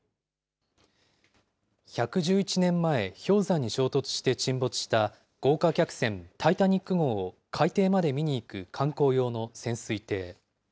１１１年前、氷山に衝突して沈没した豪華客船タイタニック号を海底まで見に行く観光用の潜水艇。